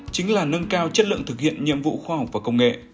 chính là nâng cao chất lượng thực hiện nhiệm vụ khoa học và công nghệ